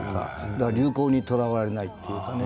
流行にとらわれないというか。